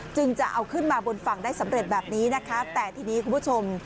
จะเอาขึ้นมาบนฝั่งได้สำเร็จแบบนี้นะคะแต่ทีนี้คุณผู้ชม